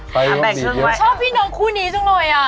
ชอบพี่น้องคู่นี้จังเลย